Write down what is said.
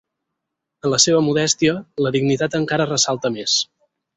En la seva modèstia, la dignitat encara ressalta més.